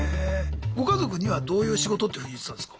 ご家族にはどういう仕事っていうふうに言ってたんすか？